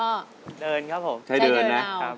เดินครับผมใช่เดินใช่เดินนะค่ะ